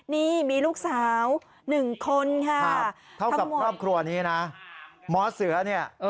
นี่มีลูกสาวหนึ่งคนค่ะเข้ากับครอบครัวนี้นะหมอเสือนี่เออ